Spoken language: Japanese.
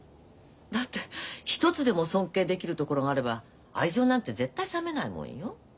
だって一つでも尊敬できるところがあれば愛情なんて絶対冷めないもんよ。